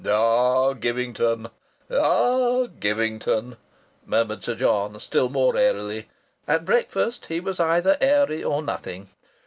"Ah! Givington! Ah! Givington!" murmured Sir John still more airily at breakfast he was either airy or nothing.